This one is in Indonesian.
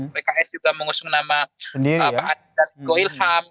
pks juga mengusung nama pak adidas goilham